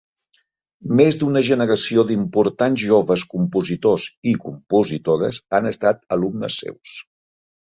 Més d'una generació d'importants joves compositors i compositores han estat alumnes seus.